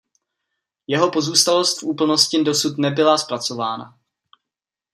Jeho pozůstalost v úplnosti dosud nebyla zpracována.